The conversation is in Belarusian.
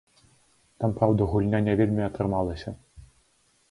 Там, праўда, гульня не вельмі атрымалася.